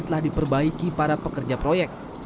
telah diperbaiki para pekerja proyek